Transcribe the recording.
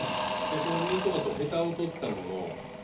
このミニトマトへたを取ったもの。